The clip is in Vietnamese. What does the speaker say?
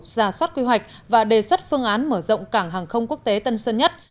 giả soát quy hoạch và đề xuất phương án mở rộng cảng hàng không quốc tế tân sơn nhất